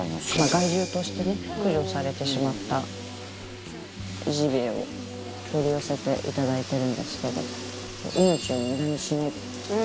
害獣としてね駆除されてしまったジビエを取り寄せていただいてるんですけど。